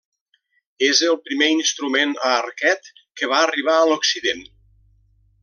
És el primer instrument a arquet que va arribar a l'Occident.